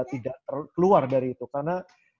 tidak keluar dari itu karena